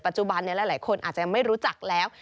จุบันหลายคนอาจจะยังไม่รู้จักแล้ว